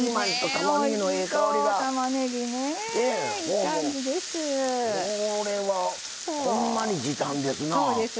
これはほんまに時短ですな。